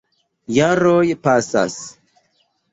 Jaroj pasas.